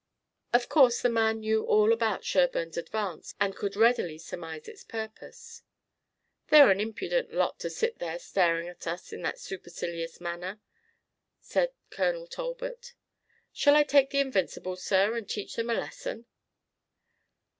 Of course the man knew all about Sherburne's advance and could readily surmise its purpose. "They're an impudent lot to sit there staring at us in that supercilious manner," said Colonel Talbot. "Shall I take the Invincibles, sir, and teach them a lesson?"